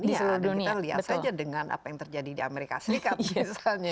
iya dan kita lihat saja dengan apa yang terjadi di amerika serikat misalnya